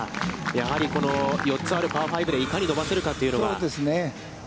やはりこの４つあるパー５でいかに伸ばせるかというのが。